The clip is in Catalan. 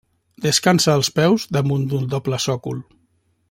Descansa els peus damunt d'un doble sòcol.